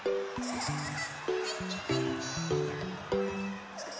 フフフフ！